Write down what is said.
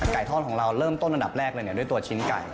ทอดของเราเริ่มต้นอันดับแรกเลยด้วยตัวชิ้นไก่